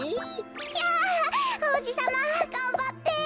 ひゃおうじさまがんばって！